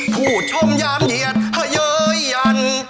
ผู้ชมยามเหยียดเฮยัน